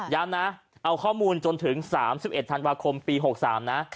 ย้ำนะเอาข้อมูลจนถึง๓๑ธันวาคมปี๖๓นะ